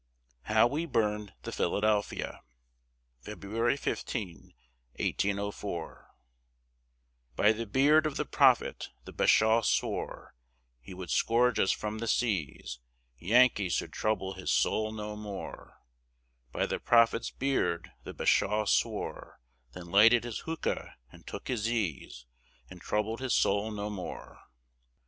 HOW WE BURNED THE PHILADELPHIA [February 15, 1804] _By the beard of the Prophet the Bashaw swore He would scourge us from the seas; Yankees should trouble his soul no more By the Prophet's beard the Bashaw swore, Then lighted his hookah, and took his ease, And troubled his soul no more.